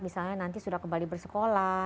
misalnya nanti sudah kembali bersekolah